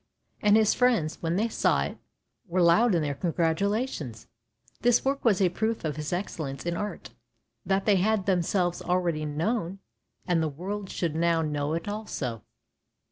And his friends, when they saw it, were loud in their congratulations. This work was a proof of his excellence in art, that they had themselves already known, and the world should now know it also.